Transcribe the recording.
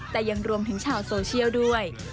แต่ยังรวมถึงชาวโซเชียลด้วย